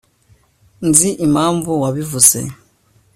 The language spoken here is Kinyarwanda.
nzi impamvu wabivuze